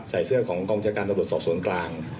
ใส่เสื้อของกองบชาการตำรวจสอบสวนกลาง